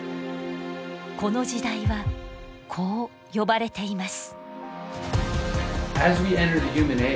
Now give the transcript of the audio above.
この時代はこう呼ばれています。